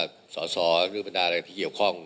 หรือปรรามสอนหรือบรรดาอะไรที่เกี่ยวข้อง